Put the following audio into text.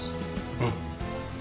うん。